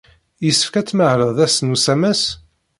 Yessefk ad tmahled ass n usamas?